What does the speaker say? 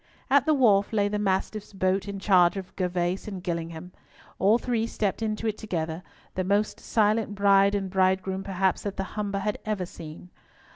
At the wharf lay the Mastiff's boat in charge of Gervas and Gillingham. All three stepped into it together, the most silent bride and bridegroom perhaps that the Humber had ever seen.